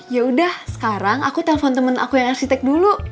yaudah sekarang aku telpon temen aku yang arsitek dulu